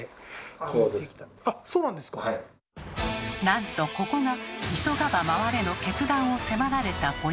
なんとここが「急がば回れ」の決断を迫られたポイント。